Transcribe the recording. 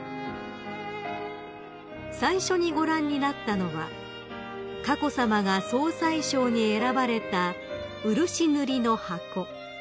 ［最初にご覧になったのは佳子さまが総裁賞に選ばれた漆塗りの箱］